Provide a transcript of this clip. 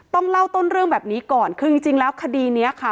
ต้องเล่าต้นเรื่องแบบนี้ก่อนคือจริงจริงแล้วคดีนี้ค่ะ